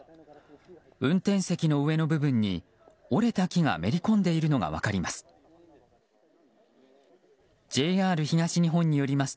運転席の上の部分に折れた木がめり込んでいるのが分かります。